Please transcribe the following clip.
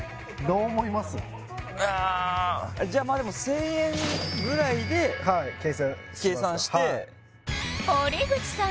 うーんじゃまあでも１０００円ぐらいで計算して堀口さん